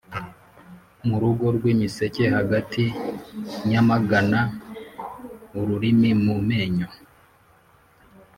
Mu rugo rw'imiseke hagati nyamagana-Ururimi mu menyo.